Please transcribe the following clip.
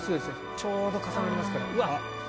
ちょうど重なりますから。